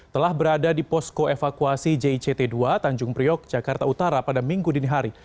telah berada di posko evakuasi jict dua tanjung priok jakarta utara pada minggu dini hari